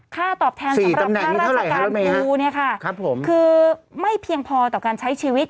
ตอบแทนสำหรับค่าราชการครูเนี่ยค่ะคือไม่เพียงพอต่อการใช้ชีวิต